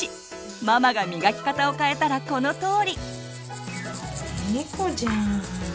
ママがみがき方を変えたらこのとおり。